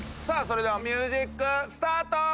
さあそれではミュージックスタート！